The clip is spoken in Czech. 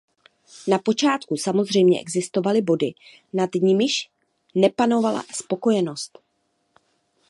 Na počátku samozřejmě existovaly body, nad nimiž nepanovala spokojenost.